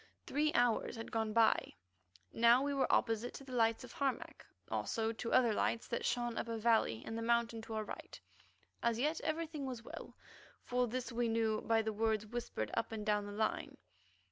Three hours had gone by. Now we were opposite to the lights of Harmac, also to other lights that shone up a valley in the mountain to our right. As yet everything was well; for this we knew by the words whispered up and down the line.